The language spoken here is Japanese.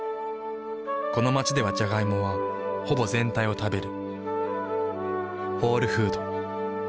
この街ではジャガイモはほぼ全体を食べる。